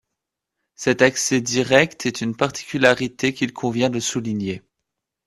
Cet accès direct est une particularité qu’il convient de souligner.